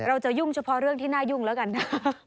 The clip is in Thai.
ยุ่งเฉพาะเรื่องที่น่ายุ่งแล้วกันนะ